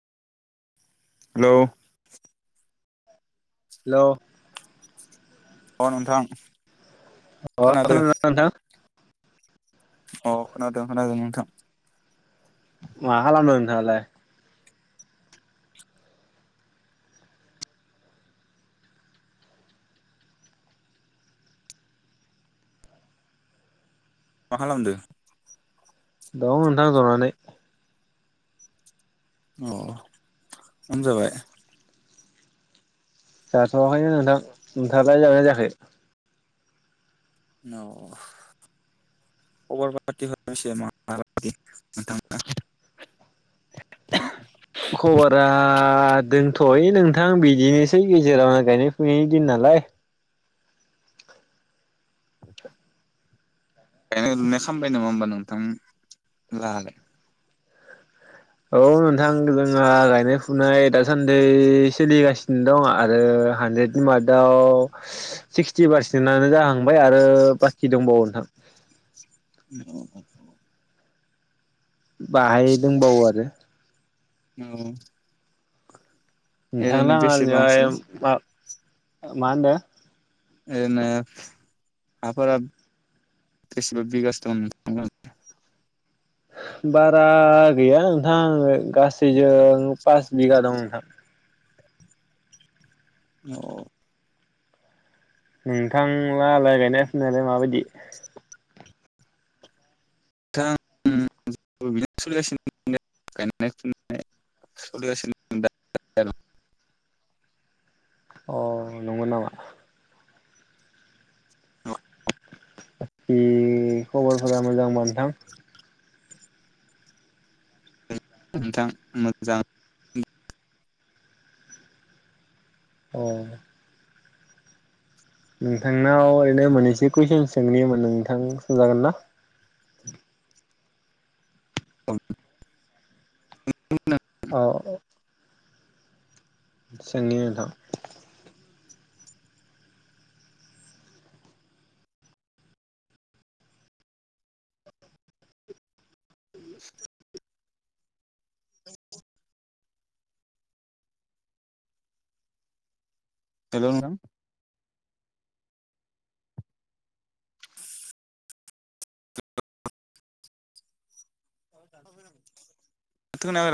हेल हेल अ नोंथां अ खोनादों नोंथां? अ खोनादों खोनादों नोंथां मा खालामदो नोंथाङालाय? मा खालामदो? दङ नोंथां जनानै अ ह ओंखाम जाबाय? जाथवाखैनो नोंथां नोंथाङालाय जानाय जायाखै [unintelligible] खबरा दंथयो नोंथां बिदिनोसै गेजेरावनो गायनाय फुनायनि दिन नालाय गायनाय लुनाय खामबाय नामा होमबा नों [unintelligible] लालाय औ नोंथां जोंहा नाय फुनाय दासान्दि सोलिगासिनो दं आरो हानद्रेदनि मारटाव सिक्सटि पारसेन्टनो जाहांबाय आरो बाखि दंबावो नोंथां औ बाहाय दबावो आरो औ नोंथांला हानिलाय मा मा होनदो? एरैनो हाफोरा बेसेबां बिगासो दं? बारा गैया नोंथां गासैजों पास बिगा दं नोंथां औ नोंथांलाहालाय गायनाय फुनायालाय माबायदि [unintelligible] अ नंगौ नामा? उम खबरफोरा मोजांबा नोंथां? [unintelligible] औ नोंथांनाव ओरैनो मोननैसो कुइसन सोंनि नोंथां सोंजागोन ना? [unintelligible] औ सोंनि नोंथां [inaudible] हेल' नोंथां [unintelligible] [unintelligible]